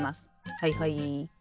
はいはい。